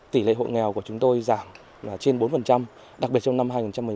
tỷ lệ hội nghèo của chúng tôi giảm trên bốn đặc biệt trong năm hai nghìn một mươi bảy